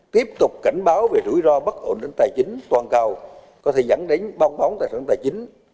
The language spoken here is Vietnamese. tiếp tục cảnh báo về rủi ro bất ổn đến tài chính toàn cầu có thể dẫn đến bong bóng tài sản tài chính